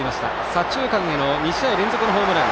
左中間への２試合連続のホームラン。